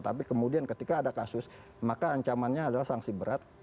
tapi kemudian ketika ada kasus maka ancamannya adalah sanksi berat